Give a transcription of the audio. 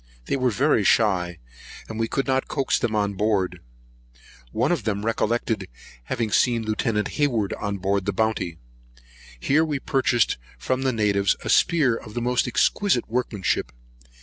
They were very shy, and we could not coax them on board. One of them recollected having seen Lieut. Hayward on board the Bounty. Here we purchased from the natives a spear of most exquisite workmanship.